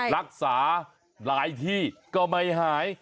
รักษาหลายที่ก็ไม่หาย